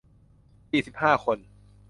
สี่สิบห้า คน